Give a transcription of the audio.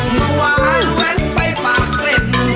มาวางแหวนไปบางเว่ย